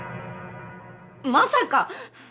まさか！